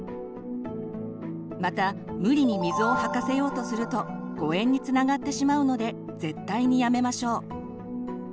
また無理に水を吐かせようとすると誤えんにつながってしまうので絶対にやめましょう。